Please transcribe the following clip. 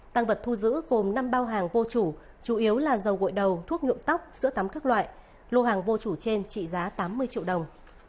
tăng vật thu giữ gồm năm bao hàng vô chủ chủ yếu là dầu gội đầu thuốc nhuộm tóc sữa tắm các loại lô hàng vô chủ trên trị giá tám mươi triệu đồng